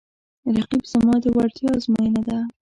رقیب زما د وړتیا ازموینه ده